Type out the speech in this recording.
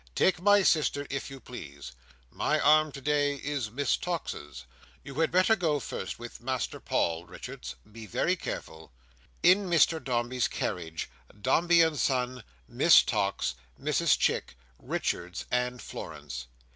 "Take my sister, if you please: my arm today is Miss Tox's. You had better go first with Master Paul, Richards. Be very careful." In Mr Dombey's carriage, Dombey and Son, Miss Tox, Mrs Chick, Richards, and Florence.